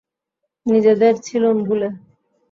নিজেদের ছিলুম ভুলে।